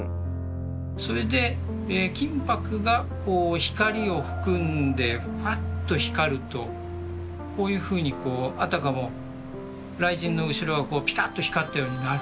それで金ぱくがこう光を含んでフワッと光るとこういうふうにこうあたかも雷神の後ろがピカッと光ったようになる。